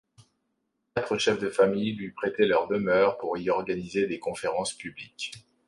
Quatre chefs de famille lui prêtaient leur demeure pour y organiser des conférences publiques.